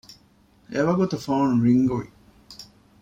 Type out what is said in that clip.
އެވަގުތު ފޯން ރިންގްވި